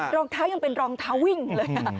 รองเท้ายังเป็นรองเท้าวิ่งเลย